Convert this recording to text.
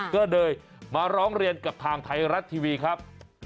ก็เลยมาร้องเรียนกับทางไทยรัฐทีวีครับ